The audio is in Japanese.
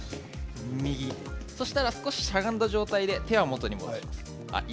そしたら少ししゃがんだ状態で手は元に戻します。